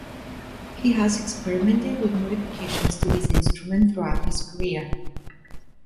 He has experimented with modifications to his instrument throughout his career.